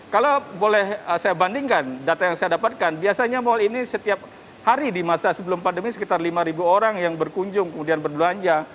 kalau boleh saya bandingkan data yang saya dapatkan biasanya mal ini setiap hari di masa sebelum pandemi sekitar lima orang yang berkunjung kemudian berbelanja